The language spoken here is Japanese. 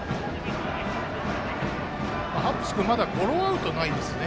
ハッブス君まだゴロアウトがないですね。